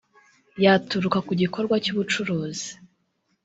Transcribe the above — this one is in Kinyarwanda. yaturuka ku gikorwa cy ubucuruzi